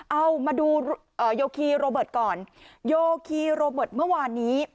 เอามาดูโยคีโรเบิร์ตก่อนโยคีโรเบิร์ตเมื่อวานนี้